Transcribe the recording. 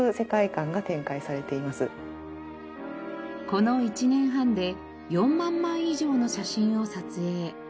この１年半で４万枚以上の写真を撮影。